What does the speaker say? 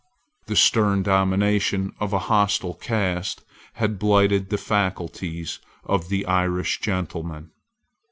The stern domination of a hostile caste had blighted the faculties of the Irish gentleman.